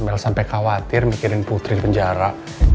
mel sampai khawatir memikirkan putri di penjara